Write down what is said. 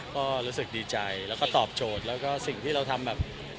ก็รู้สึกดีใจแล้วก็ตอบโจทย์แล้วก็สิ่งที่เราทำแบบ